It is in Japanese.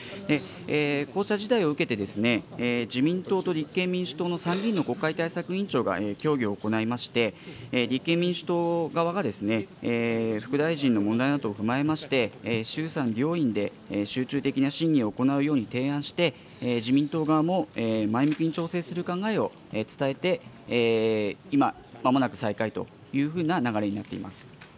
こうした事態を受けて、自民党と立憲民主党の参議院の国会対策委員長が協議を行いまして、立憲民主党側が副大臣の問題などを踏まえまして、衆参両院で集中的な審議を行うように提案して、自民党側も前向きに調整する考えを伝えて、今、まもなく再開というふうな流れになっています。